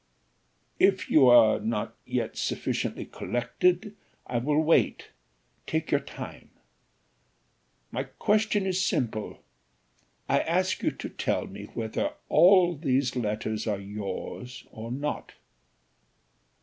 "If you are not yet sufficiently collected, I will wait; take your own time My question is simple I ask you to tell me whether all these letters are your's or not?"